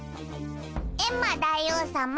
エンマ大王さま。